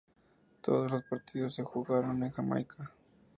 Todos los partidos se jugaron en Jamaica.